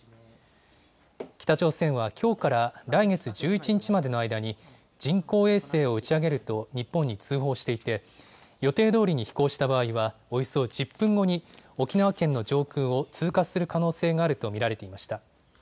北朝鮮はきょうから来月１１日までの間に、人工衛星を打ち上げると日本に通報していて、予定どおりに飛行した場合は、およそ１０分後に沖縄県の上空を通過する可能性があると見られていました。